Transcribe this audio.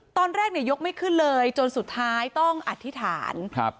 ตอนแรกเนี่ยยกไม่ขึ้นเลยจนสุดท้ายต้องอธิษฐานครับ